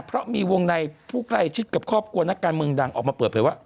เพราะมีวงในผู้ใกล้ชิดกับครอบครัวนักการเมืองดังออกมาเปิดเผยว่า